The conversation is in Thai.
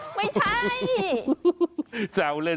ไม่ใช่